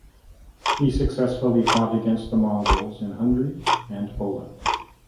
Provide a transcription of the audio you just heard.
He successfully fought against the Mongols in Hungary and Poland.